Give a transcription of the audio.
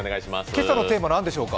今朝のテーマは何でしょうか。